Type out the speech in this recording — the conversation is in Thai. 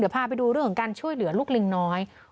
พาไปดูเรื่องของการช่วยเหลือลูกลิงน้อย